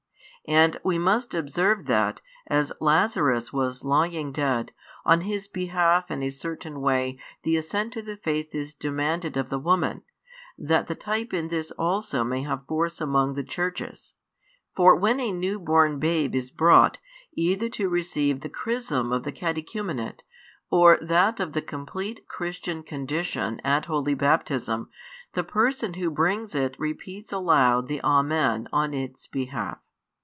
And we must observe that, as Lazarus was lying dead, on his behalf in a certain way the assent to the faith is demanded of the woman, that the type in this also may have force among the Churches; for when a newborn babe is brought, either to receive the chrism of the catechumenate, or that of the complete [Christian] condition at Holy Baptism |120 the person who brings it repeats aloud the "Amen" on its behalf.